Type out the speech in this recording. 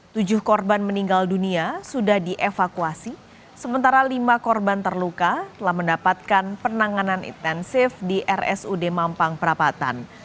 tujuh korban meninggal dunia sudah dievakuasi sementara lima korban terluka telah mendapatkan penanganan intensif di rsud mampang perapatan